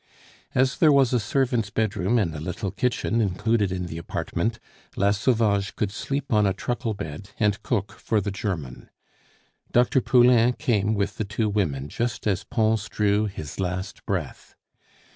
As there was a servant's bedroom and a little kitchen included in the apartment, La Sauvage could sleep on a truckle bed and cook for the German. Dr. Poulain came with the two women just as Pons drew his last breath.